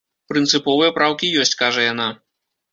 Прынцыповыя праўкі ёсць, кажа яна.